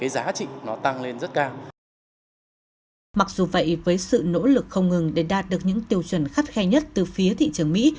mặc dù vậy với sự nỗ lực không ngừng để đạt được những tiêu chuẩn khắt khe nhất từ phía thị trường mỹ